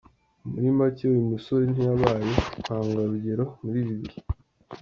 Muri make uyu musore ntiyabaye intangarugero muri ibi bihe.